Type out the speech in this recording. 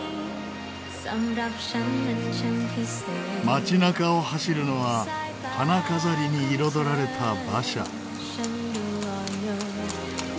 町中を走るのは花飾りに彩られた馬車。